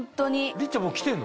りっちゃんもう着てるの？